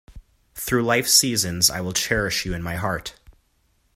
Through life's seasons, I will cherish you in my heart.